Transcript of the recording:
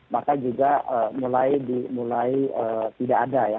maka juga mulai dimulai tidak ada ya